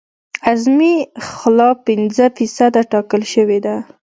اعظمي خلا پنځه فیصده ټاکل شوې ده